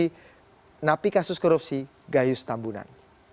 jadi napi kasus korupsi gayus tambunan